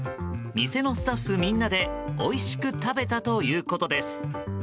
店のスタッフみんなでおいしく食べたということです。